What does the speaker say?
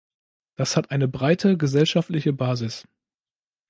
Das hat eine breite gesellschaftliche Basis.